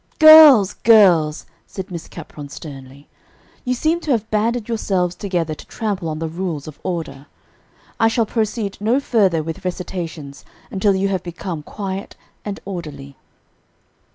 "Girls! girls!" said Miss Capron sternly; "you seem to have banded yourselves together to trample on the rules of order. I shall proceed no further with recitations until you have become quiet and orderly."